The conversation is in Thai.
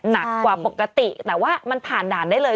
หนักกว่าปกติแต่ว่ามันผ่านด่านได้เลย